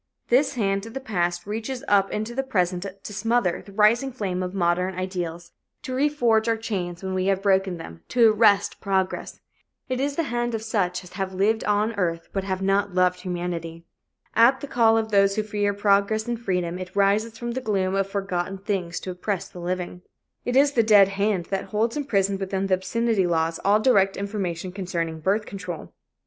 This hand of the past reaches up into the present to smother the rising flame of modern ideals, to reforge our chains when we have broken them, to arrest progress. It is the hand of such as have lived on earth but have not loved humanity. At the call of those who fear progress and freedom, it rises from the gloom of forgotten things to oppress the living. It is the dead hand that holds imprisoned within the obscenity laws all direct information concerning birth control.